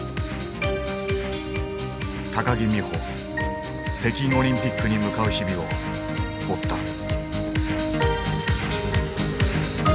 木美帆北京オリンピックに向かう日々を追った。